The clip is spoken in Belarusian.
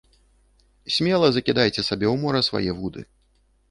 Смела закідайце сабе ў мора свае вуды.